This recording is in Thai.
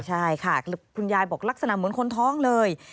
ใช่ค่ะคุณยายบอกลักษณะเหมือนคนท้องเลย